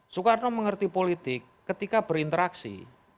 soekarno mengerti politik ketika berinteraksi